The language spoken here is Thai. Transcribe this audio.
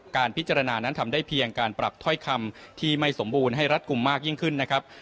การพิจารณานั้นทำได้เพียงการปรับถ้อยคำที่ไม่สมบูรณ์ให้รัดกลุ่มมากยิ่งขึ้นนะครับ